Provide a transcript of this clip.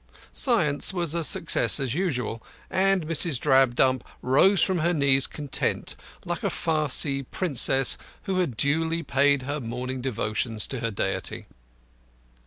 Science was a success as usual; and Mrs. Drabdump rose from her knees content, like a Parsee priestess who had duly paid her morning devotions to her deity.